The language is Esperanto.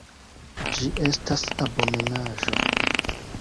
Ĝi estas abomenaĵo!